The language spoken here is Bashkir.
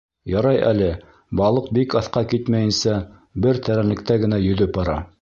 Ярай әле балыҡ бик аҫҡа китмәйенсә бер тәрәнлектә генә йөҙөп бара...